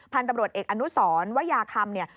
พันธุ์ตำรวจเอกอนุสรวยาคำเนี่ย